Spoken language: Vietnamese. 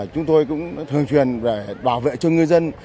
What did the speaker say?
chúng tôi cũng thường truyền về bảo vệ cho ngư dân